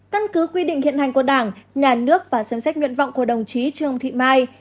tân cứ quy định hiện hành của đảng nhà nước và sân sách nguyện vọng của đồng chí trương thị mai